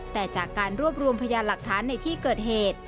แต่จากการรวบรวมพยานหลักฐานในที่เกิดเหตุ